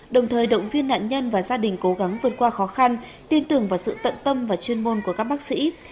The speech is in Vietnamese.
đồng thời động viên nạn nhân và gia đình cố gắng vượt qua khó khăn tin tưởng vào sự tận tâm và chuyên môn của các bác sĩ